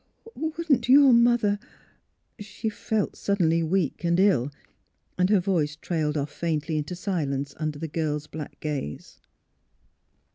Wouldn't your Mother " She felt suddenly weak and ill, and her voice trailed off faintly into silence under the girl's black gaze.